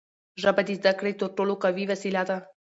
ژبه د زدهکړې تر ټولو قوي وسیله ده.